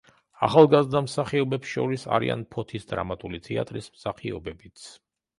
ახალგაზრდა მსახიობებს შორის არიან ფოთის დრამატული თეატრის მსახიობებიც.